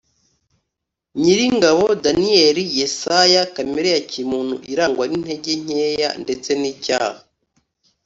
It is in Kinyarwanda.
nyiringabo” daniyeli :; yesaya : kamere ya kimuntu irangwa n’intege nkeya ndetse n’icyaha